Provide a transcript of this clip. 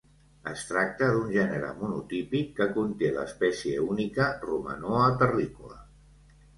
Es tracta d'un gènere monotípic que conté l'espècie única Romanoa terricola.